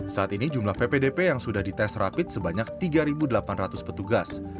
saat ini jumlah ppdp yang sudah dites rapid sebanyak tiga delapan ratus petugas